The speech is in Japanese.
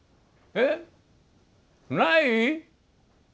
えっない？